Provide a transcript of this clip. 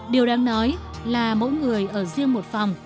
điều đáng nói là mỗi người ở riêng một phòng